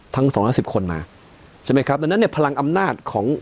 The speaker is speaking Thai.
สองร้อยสิบคนมาใช่ไหมครับดังนั้นเนี่ยพลังอำนาจของ